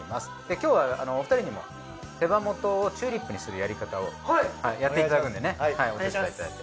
今日はお二人にも手羽元をチューリップにするやり方をやっていただくんでねはいお手伝いいただいて。